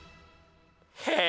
へえ！